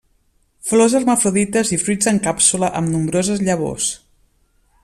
Flors hermafrodites i fruits en càpsula amb nombroses llavors.